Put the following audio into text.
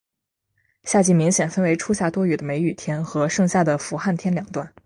夏季明显分为初夏多雨的梅雨天和盛夏的伏旱天两段。